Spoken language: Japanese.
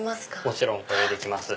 もちろんご用意できます。